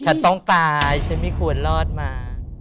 ฉันต้องตายฉันไม่ควรรอดมา